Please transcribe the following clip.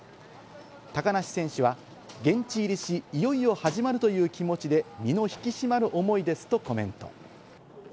高梨選手は現地入りし、いよいよ始まるという気持ちで身の引き締まる思いですとコメント。